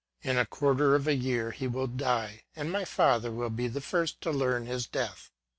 In a quarter of a year he will die, and my father will be the first to learn his death."